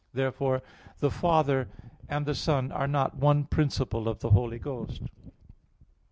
Therefore the Father and the Son are not one principle of the Holy Ghost.